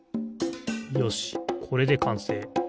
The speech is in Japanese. よしこれでかんせい。